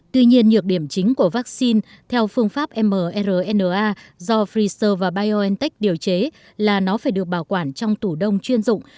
tuy nhiên nhược điểm chính của vaccine theo phương pháp mrna do freezer và biontech điều chế là nó phải được bảo quản trong tủ đông chuyên dụng